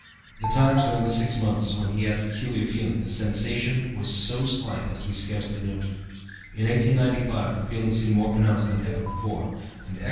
The times during this six months when he had the 'peculiar feeling,' the sensation was so slight as to be scarcely noted. In 1895, the feeling seemed more pronounced than ever before, and X.